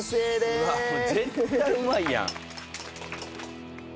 うわっ絶対うまいやん。